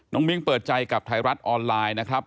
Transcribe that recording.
มิ้งเปิดใจกับไทยรัฐออนไลน์นะครับ